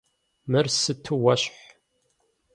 Мыр сыту уэщхь!